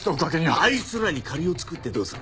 あいつらに借りを作ってどうする。